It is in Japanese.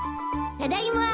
ただいま。